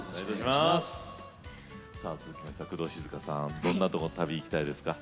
続きましては、工藤さんどんなところに旅に行きたいですか。